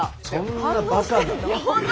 そんなバカな。